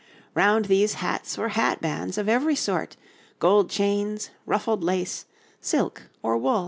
Round these hats were hatbands of every sort, gold chains, ruffled lace, silk or wool.